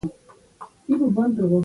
فعل ته د پښتو پښويې په ژبه کې کړ ويل کيږي